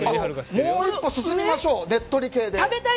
もう一歩進みましょうねっとり系で。